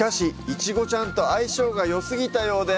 いちごちゃんと相性がよすぎたようで？